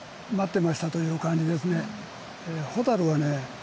待ってましたという感じですね。